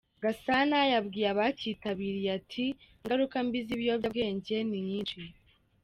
Gasana yabwiye abacyitabiriye ati :" Ingaruka mbi z’ibiyobyabwenge ni nyinshi.